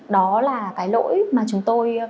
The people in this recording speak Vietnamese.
đó là cái lỗi mà chúng tôi